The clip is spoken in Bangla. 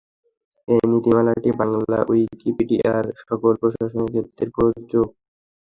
এই নীতিমালাটি বাংলা উইকিপিডিয়ার সকল প্রশাসকের ক্ষেত্রে প্রযোজ্য।